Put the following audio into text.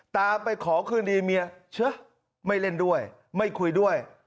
ตามไปขอคืนดีเมียเชื่อไม่เล่นด้วยไม่คุยด้วย